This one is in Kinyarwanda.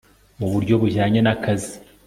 mu buryo bujyanye nakazi